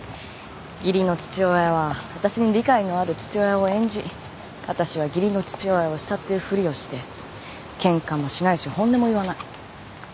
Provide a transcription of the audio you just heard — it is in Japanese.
義理の父親はわたしに理解のある父親を演じわたしは義理の父親を慕ってるふりをしてケンカもしないし本音も言わない。